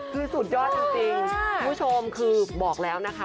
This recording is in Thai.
คือสุดยอดจริงคุณผู้ชมเราก็บอกก่อนนะคะ